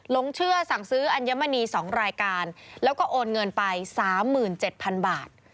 ลงเชื่อสั่งซื้ออัญมณี๒รายการแล้วก็โอนเงินไป๓๗๐๐บาท